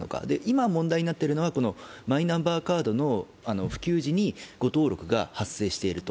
今問題になっているのはマイナンバーカードの普及時に誤登録が発生していると。